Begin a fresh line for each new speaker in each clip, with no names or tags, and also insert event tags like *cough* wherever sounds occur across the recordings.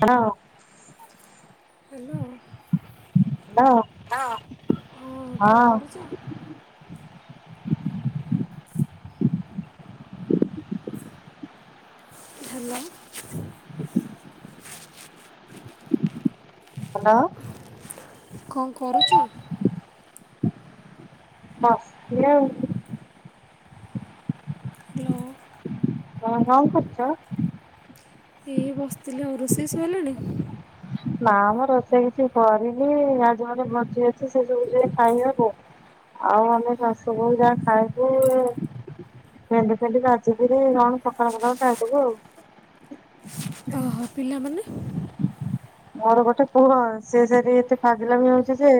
Hello.
Hello ହଁ ହଁ କଣ କରୁଚ? ହାଲୋ।
ହାଲୋ।
କଣ କରୁଚ?
ବସ୍ ଚି ଆଉ।
ହାଲୋ।
ତମେ କଣ କରୁଚ?
ଏଇ ବସିଥିଲି ଆଉ ରୋଷେଇ ସଇଲାଣି?
ନା ମ ରୋଷେଇ କିଛି କରିନି ଆଜି ଗଟେ ଭଜି ଅଛି ସେ ସବୁ ଯ ଖାଇବାକୁ। ଆଉ ଆମେ ଶାଶୁ ବହୁ ଯାହା ଖାଇକି ଭେଣ୍ଡି ଫେଣ୍ଡି ଭାଜିକିରି କଣ ପଖାଳ ଫକାଳ ଖାଇଦେବୁ ଆଉ।
ଆଉ ପିଲାମାନେ।
ମୋର ଗୋଟେ ପୁଅ ସେ ସେଠି ଏତେ ଫାଯ୍ ଲାମୀ ହଉଚି ଯେ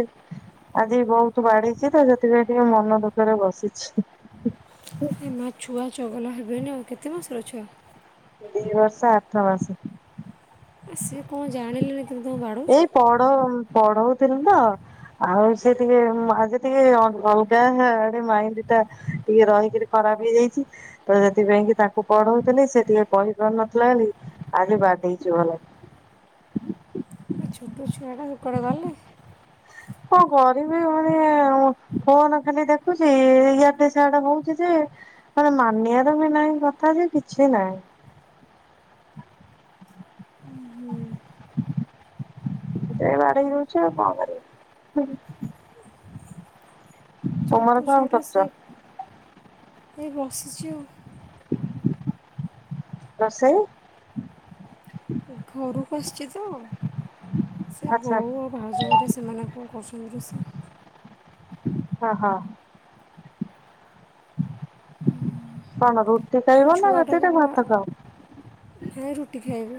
ଆଜି ବହୁତ୍ ବାଡେଇଚି ତ ସେଥିପାଇଁ ଟିକେ ମନ ଦୁଃଖରେ ବସିଛି।
ଏ ମା ଛୁଆ ଚଗଲା ହେବେନି ଆଉ କେତେ ମାସର ଛୁଆ?
ଦି ବର୍ଷ ଆଠ ମାସେ।
ଆ ସିଏ କଣ ଜାଣିଲା ନି ତମେ ତାକୁ ବାଡ
ଏଇ ପଢ ପଢଉଥିଲି ତ ଆଉ ସେ ଟିକେ ମାେ ଆଜି ଟିକେ ଅଲଗା ଆଡେ ମାଇଣ୍ଡ୍ ଟା ଟିକେ ରହିକିରି ଖରାପ୍ ହେଇଯାଇଚି। ତ ସେଥିପାଇଁ କି ତାଙ୍କୁ ପଢଉଥିଲି ସେ ଟିକେ କହିପାରୁନଥିଲା ବୋଲି ଆଜି ବାଡେଇଚି ଭଲରେ।
ଏ ଛୋଟ ଛୁଆ ଗୁଡ଼ାକ ଗଲେ
କଁଣ କରିବି ଭଉଣି ଫନ ଖାଲି ଦେଖୁଛି ଇ ଦେ ସଆଡେ ହଉଛି ଯେ ମାନେ ମାନିବାର ବି ନାହିଁ କଥା ଯେ କିଛି ନାହିଁ ଏ ବାଡ ହେଇ ହଉଛି ଆଉ କଣ କରିବି ତୁମର
ଛୋଟ
କଣ
ଛୁଆ ଟା ସେ
କରୁଛ
ଏ ବସ୍ ଛି ଆଉ
ରଷେଇ
ଘରକୁ ଆସିଛି ତ ସେ
ଆଚ୍ଛା
ବୋଉ ଆଉ ଭାଉଜ ଘରେ ସେମାନ କଣ କରୁଛନ୍ତି ରେଷେଇ
ଓହ କଣ ରୁଟି
ନାଇଁ
ଖାଇବ ନା
ଛୁଆଟାକୁ
ରାତିରେ
ବା-
ଭାତ ଖାଅ?
ନାଇଁ ରୁଟି ଖାଇବେ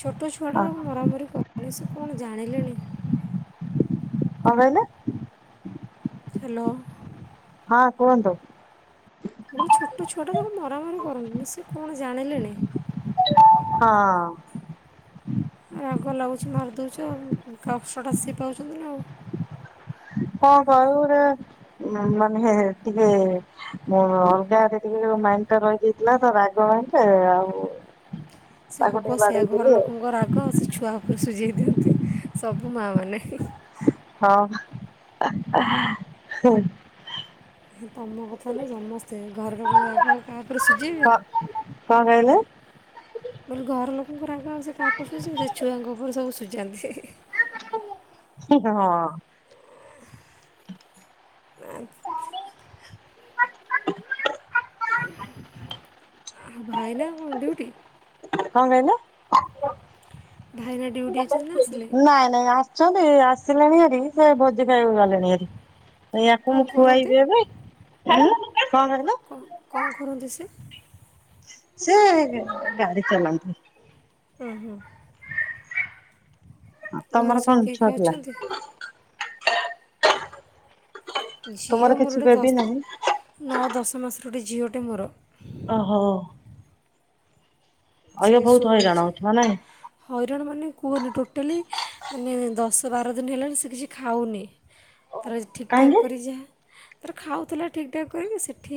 ଛୋଟ
ଅ
ଛୁଆଟା ତାକୁ
କଣ
ମରାମରି କର୍ କହିଲି ସେ କଣ ଜାଣିଲେଣି।
କଣ୍ କହିଲେ?
ହାଲୋ।
ହଁ କୁହନ୍ତୁ।
ମୁଁ କହିଲି ଛୋଟ ଛୁଆଟା ତାକୁ ମରାମରି କରନ୍ତୁନି ସେ କଣ ଜାଣିଲେଣି।
ହଁ।
ରାଗ ଲାଗୁଚି ମାରିଦଉଚି ଆଉ କଷ୍ଟ ଟା ସିଏ ପାଉଚନ୍ତି ନା ଆଉ।
*unintelligible* ମାନେ ଟିକେ ମୁଁ ଅଲଗା ଆଡେ ଟିକେ ମାଇଣ୍ଡ୍ ଟା ରହିଯାଇଥିଲା ତ ରାଗ *unintelligible* ଆଉ
ସେ
ତାକୁ
ହବ
ଟିକେ
ସେଇଆ ଘର
ବାଡେଇଦେଲି
ଲୋକଙ୍କ ରାଗ ସେ ଛୁଆ ଉପରେ ସୁଜେଇ ଦିଅନ୍ତି ସବୁ ମାଆ ମାନେ।
ହଁ।
ତମ କଥା ନୁହଁ ସମସ୍ତେ ଘରର କଣ ରାଗ ଆଉ କାହା ଉପରେ ସୁଜେଇବେ।
କଣ୍ କହିଲ?
ମୁଁ କହିଲି ଘର ଲୋକଙ୍କ ରାଗ ଆଉ ସେ କାହା ଉପରେ ସବୁ ସୁଜେଇବେ ସେ ଛୁଆଙ୍କ ଉପରେ ସବୁ ସୁଜାନ୍ତି ହିଁ- ହିଁ।
ହିଁ -ହିଁ -ହଁ।
*inaudible*
*inaudible*
ଆ- ଭାଇ ନା କଣ ଡ୍ୟୁଟି?
କଣ୍ କହିଲେ
ଭାଇନା ଡ୍ୟୁଟି ଯାଇଛନ୍ତି ନା ଆସିଲେଣି?
-ନାଇଁ ନାଇଁ ଆ ଚନ୍ତି ଆସିଲେଣି ହାରି ସେ ଭୋଜି ଖାଇବାକୁ ଗଲେଣି ହାରି। ଏଇ ୟାକୁ
କଣ
ମୁଁ
କରନ୍ତି?
ଖୁଆଇବି ଏବେ ଉଁ -କଣ କହିଲେ?
ଓ-କଣ କରନ୍ତି ସେ?
ସେ ଗାଡି ଚଲାନ୍ତି।
ଅଁ- ହଁ।
ତମର
ଘରେ ସବୁ
କଣ
କିଏ
ଛୁଆ
କିଏ
ପିଲା
ଅଛନ୍ତି?
ତମର
ଝିଅ
କିଛି
ମୋର ଗୋଟେ
ବେବି ନାହିଁ
ଦଶ୍ ନଅ ଦଶ ମାସର ଗୋଟେ ଝିଅ ଟେ ମୋର।
ଓହୋ। ଆଉ
ସେ
ଯେ ବହୁତ୍
ଶୋଇଛି
ହଇରାଣ ହଉଥିବ ନାଇଁ।
ହଇରାଣ ମାନେ କୁହନି ଟୋଟାଲି ମାନେ ଦଶ ବାର ଦିନି ହେଲାଣି ସେ କିଛି ଖାଉନି ତାର ଠିକ୍ ଠାକ୍
କାହିଁକି?
କରି ଯାହା ତାର ଖାଉଥିଲା ଠିକ୍ ଠାକ୍ କରିକି ସେଠି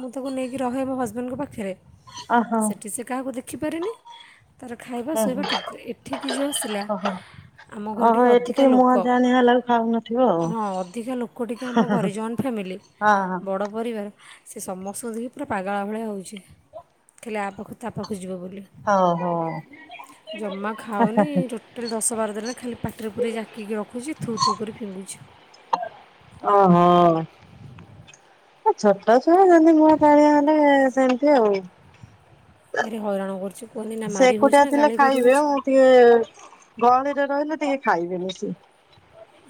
ମୁଁ ତାକୁ ନେଇକି ରହେ ମୋ ହଜବେଣ୍ଟ୍ ଙ୍କ ପାଖେରେ।
ଓହୋ
ସେଠି ସେ କାହାକୁ ଦେଖିପାରେନି ତାର ଖାଇବା
ହଁ
ଶୋଇବା
ହଁ
ଠିକ୍ ଥିଲା ଏଠିକି ଯଉ ଆସିଲା
ଓହୋ
ଆମ ଘରେ
ଓହୋ
ଟିକି
ଏଠି ଟିକେ
ଅଧିକା
ମୁହଁ
ଲୋକ
ଜାଣି ହେଲାକୁ ଖାଉନଥିବ
ହଁ ଅଧିକା ଲୋକ ଟିକେ ଆମ ଘରେ ଜଏଣ୍ଟ ଫ୍ୟାମିଲି
ଆଉ। ହଁ
ବଡ୍ ପରିବାର ସେ ସମସ୍ତଙ୍କୁ ଦେଖି ପୁରା ପାଗଳା ଭଳିଆ ହେଉଛି ଖାଲି ଆପାଖୁ ତା ପାଖୁ ଖୁଜିବ ବୋଲି
ହଁ ହଉ ହଉ।
ଜମା ଖାଉନି *unintelligible* ଦଶ ବାର ଦିନରେ ଖାଲି ପାଟିରେ ପୁରେଇ ଜାକିକି ରଖୁଚି ଥୁ ଥୁ କରି ଫିଙ୍ଗୁଚି।
ଓହୋ। ଏ ଛୋଟ ଛୁଆ ହେନ୍ତି ମୁହଁ ଚାହିଁବା ହେଲେ ସେମିତି ଆଉ।
ଭାରି ହଇରାଣ କରୁଚୁ କୁହନ୍ତି ନା
ସେ
ମାରି
ଏକୁଟିଆ
ହଉଚି ନା
ଥିଲେ
ଗାଳି
ଖାଇବେ
କରିହଉଚି।
ମୁଁ ଟିକେ ଗହଳିରେ ରହିଲେ ଟିକେ ଖାଇବେନି ସିଏ।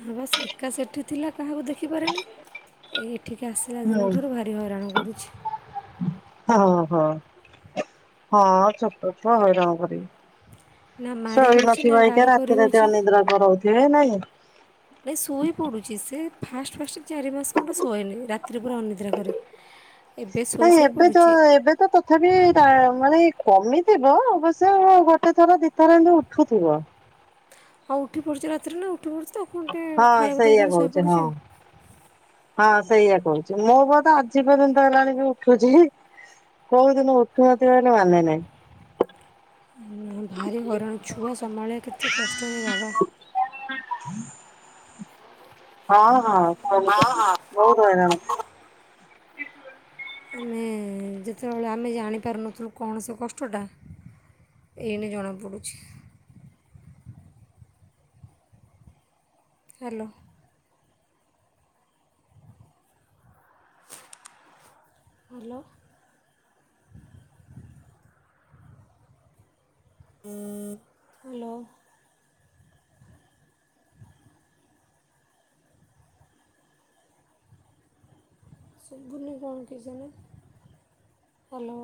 ହଁ ସିଏ ଏକା ସେଠି ଥିଲା କାହାକୁ ଦେଖିପାରେନି ଏ ଏଠିକି ଆସିଲା
ହୁଁ।
ଦିନଠାରୁ ଭାରି ହଇରାଣ କରୁଛି।
ହଁ ହଁ ହଁ ଛୋଟଛୁଆ ହଇରାଣ
ନା
କରିବେ।
ମାରି
ସୋଉ
ହେଉଛି ନା
ନଥିବେ
ଗାଳି
*unintelligible*
କରି
ରାତି ରାତି
ହେଉଛି
ଅନିିଦ୍ରା କରାଉଥିବେ ନାଇଁ?
ନାଇଁ ଶୋଇ ପଡୁ ଠିକ୍ ସେ ଫାଷ୍ଟ ଫାଷ୍ଟ ଚାରି ମାସ ଖଣ୍ଡେ ଶୁଏନି। ରାତିରେ ପୁରା ଅନିଦ୍ରା କରେ। ଏବେ ଶୋଇ
ଆଉ
ଶୋଇ
ଏବେ ତ
ପଡ଼ୁଛି
ଏବେ ତ ତଥାପି ମାନେ କମିଥିବ। ଅବଶ୍ୟ ଗୋଟେ ଥର ଦିଥର ଏମତି ଉଠୁଥିବ।
ହଁ ଅ ଉଠି ପଡୁଛି ରାତିରେ ନା ଉଠି ପଡୁଛି ତ ତାକୁ ଟିକେ
ହଁ
ଖାଇବାକୁ
ସେଇଆ
ଦେଲେ
କହୁଛି ହଁ
ଶୋଇପଡୁଛି ଆଉ।
ହଁ ସେଇଆ କରୁଛି। ମୋ ପୁଅତ ଆଜି ପର୍ଯ୍ୟନ୍ତ ହେଲାଣି ବି ଉଠୁଛି। କୋଉ ଦିନ ଉଠୁ ନଥିବ ବୋଲି ମାନେ ନାହିଁ।
*unintelligible* ଭାରି ହଇରାଣ ଛୁଆ ସମ୍ଭାଳିବା କେତେ କଷ୍ଟରେ ବାବା।
ହଁ ହଁ *unintelligible* ବହୁତ ହଇରାଣ।
ଆମେ ଯେତେବେଳେ ଆମେ ଜାଣିପାରୁନଥିଲୁ କଣ ସେ କଷ୍ଟଟା। ଏଇନେ ଜଣାପଡୁଛି। ହ୍ୟାଲୋ। ହ୍ୟାଲୋ। ହ୍ୟାଲୋ। ସୁବୁନି କଣ କେଜାଣି। ହ୍ୟାଲୋ